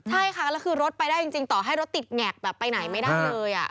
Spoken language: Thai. ใช่ค่ะแล้วคือรถไปได้จริงต่อให้รถติดแงกแบบไปไหนไม่ได้เลย